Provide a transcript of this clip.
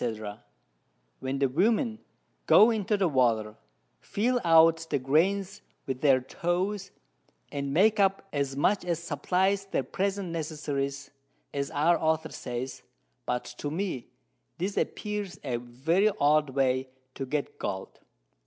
_ when the Women go into the Water, feel out the Grains with their Toes, and make up as much as supplys their present Necessities, as our Author says, but to me this appears a very odd Way to get Gold.